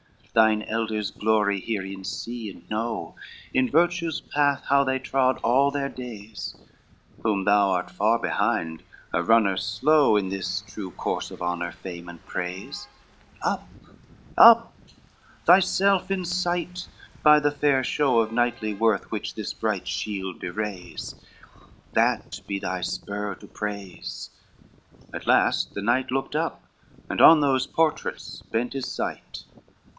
LXV "Thine elders' glory herein see and know, In virtue's path how they trod all their days, Whom thou art far behind, a runner slow In this true course of honor, fame and praise: Up, up, thyself incite by the fair show Of knightly worth which this bright shield bewrays, That be thy spur to praise!" At last the knight Looked up, and on those portraits bent his sight.